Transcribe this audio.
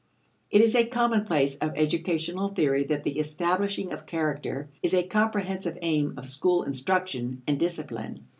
It is a commonplace of educational theory that the establishing of character is a comprehensive aim of school instruction and discipline.